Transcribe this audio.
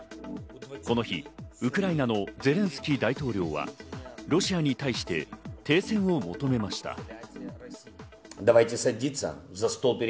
この日、ウクライナのゼレンスキー大統領はロシアに対して停戦を求めました。